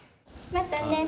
またね。